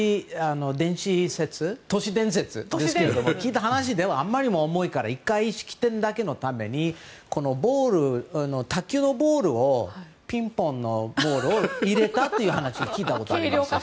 都市伝説で聞いた話ではあまりにも重いから１回、式典だけのために卓球のボール、ピンポンを入れたという話を聞いたことがあります。